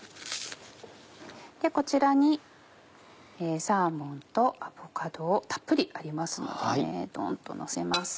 こちらにサーモンとアボカドをたっぷりありますのでドンっとのせます。